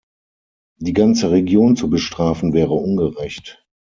Die ganze Region zu bestrafen wäre ungerecht.